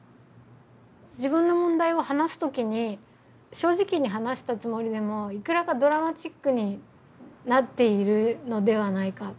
自分の問題を話す時に正直に話したつもりでもいくらかドラマチックになっているのではないか。